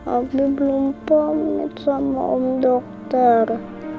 abdi belum pamit sama om dokter